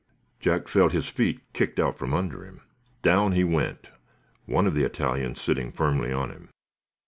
Jack felt his feet kicked out from under him. Down he went, one of the Italians sitting firmly on him.